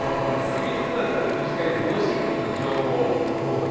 クリスマスは女子会でゴシップの女王。